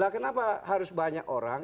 kenapa harus banyak orang